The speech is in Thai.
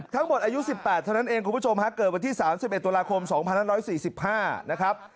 อายุ๑๘เท่านั้นเองคุณผู้ชมฮะเกิดวันที่๓๑ตุลาคม๒๕๔๕นะครับ